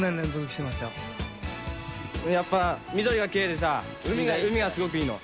やっぱ緑がきれいでさ、海がすごくいいの。